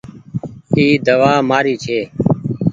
اي دوآ مآري ڇي۔